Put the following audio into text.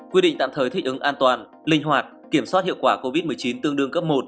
quy định tạm thời thích ứng an toàn linh hoạt kiểm soát hiệu quả covid một mươi chín tương đương cấp một